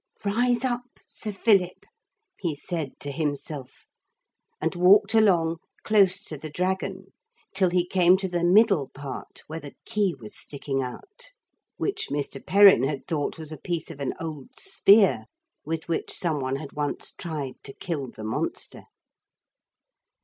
'Rise up, Sir Philip,' he said to himself, and walked along close to the dragon till he came to the middle part where the key was sticking out which Mr. Perrin had thought was a piece of an old spear with which some one had once tried to kill the monster.